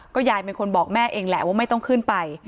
ยายเป็นคนบอกแม่เองแหละว่าไม่ต้องขึ้นไป